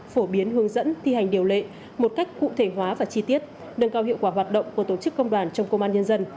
phổ biến hướng dẫn thi hành điều lệ một cách cụ thể hóa và chi tiết nâng cao hiệu quả hoạt động của tổ chức công đoàn trong công an nhân dân